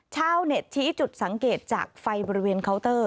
ชาวทธิจุดสังเกตจากไฟบริเวณเคานเเตอร์